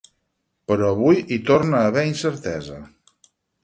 Però avui hi torna a haver incertesa.